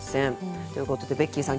ということでベッキーさん